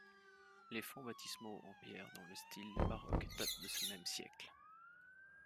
Les fonts baptismaux en pierre dans le style baroque datent de ce même siècle.